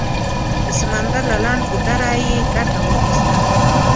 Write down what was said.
د سمندر له لنډ ګودره یې ګټه واخیسته.